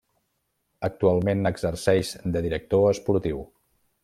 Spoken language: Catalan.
Actualment exerceix de director esportiu.